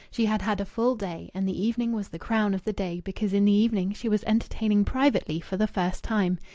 She had had a full day, and the evening was the crown of the day, because in the evening she was entertaining privately for the first time.